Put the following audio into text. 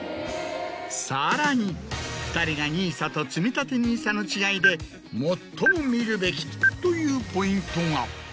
さらに２人がＮＩＳＡとつみたてＮＩＳＡの違いで最も見るべきというポイントが。